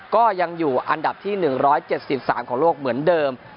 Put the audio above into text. ก็ยังอยู่อันดับที่๑๗๓ของโลกเหมือนเดิม